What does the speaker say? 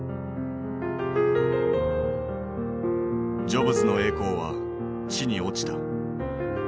ジョブズの栄光は地に落ちた。